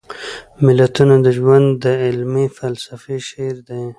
متلونه د ژوند د عملي فلسفې شعر دي